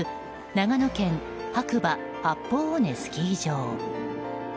長野県、白馬八方尾根スキー場。